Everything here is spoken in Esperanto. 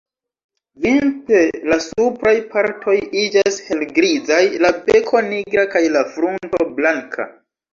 Vintre la supraj partoj iĝas helgrizaj, la beko nigra kaj la frunto blanka.